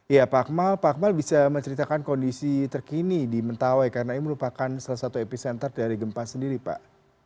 ya pak akmal pak akmal bisa menceritakan kondisi terkini di mentawai karena ini merupakan salah satu epicenter dari gempa sendiri pak